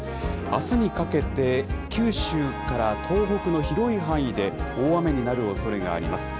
あすにかけて、九州から東北の広い範囲で大雨になるおそれがあります。